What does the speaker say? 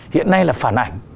hiện nay là phản ảnh